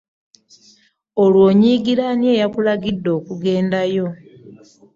Olwo onyiigira ani eyakulagidde okugendayo?